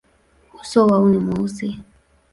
Uso wao ni mweusi.